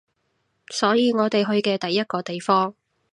所以我哋去嘅第一個地方